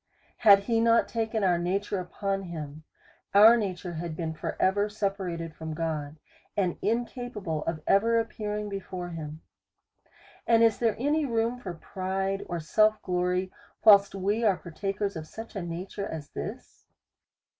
Had he not taken our nature upon him^ DEVOUT AND HOLY LIFE. 213 our nature had been for ever separated from God, and incapable of ever appearing before him. And is there any room for pride or self glory, whilst we are partakers of such a nature as this